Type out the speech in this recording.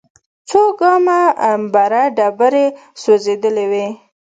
څو ګامه بره ډبرې سوځېدلې وې.